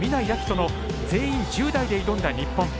翔の全員１０代で挑んだ日本。